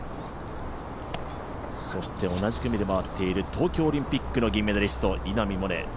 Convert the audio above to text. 同じ組で回っている東京オリンピックの銀メダリスト、稲見萌寧。